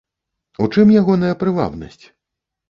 У чым ягоная прывабнасць?